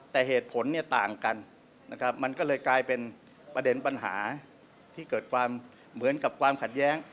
แต่เหตุผลเนี่ยต่างกันนะครับมันก็เลยกลายเป็นประเด็นปัญหาที่เกิดความเหมือนกับความขัดแย้ง